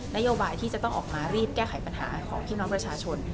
นโยบายที่จะต้องออกมารีบแก้ไขปัญหาของพี่น้องประชาชน